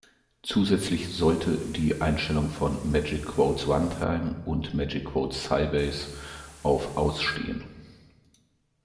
Zusätzlich sollte die Einstellung von "magic_quotes_runtime" und "magic_quotes_sybase" auf aus stehen.